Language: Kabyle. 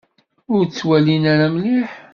Ur ttwalin ara mliḥ.